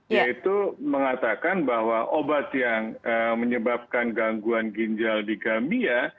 yaitu mengatakan bahwa obat yang menyebabkan gangguan ginjal di gambia